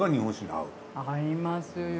合いますよ。